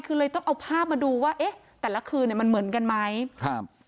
คือเลยต้องเอาภาพมาดูว่าเอ๊ะแต่ละคืนเนี้ยมันเหมือนกันไหมครับ